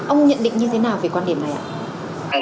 ông nhận định như thế nào về quan điểm này ạ